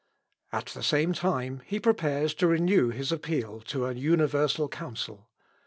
" At the same time he prepares to renew his appeal to an universal council.